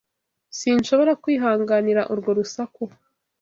Sinshobora kwihanganira urwo rusaku.